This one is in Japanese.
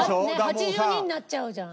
ねっ８２になっちゃうじゃん。